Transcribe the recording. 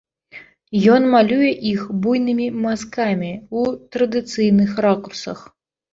Ён малюе іх буйнымі мазкамі ў традыцыйных ракурсах.